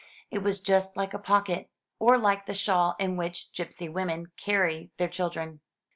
It was just like a pocket, or like the shawl in which gipsy women carry their children.